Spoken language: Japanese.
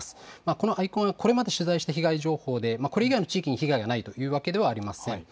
このアイコンはこれまで取材した被害情報で、これ以外の地域に被害がないというわけではありません。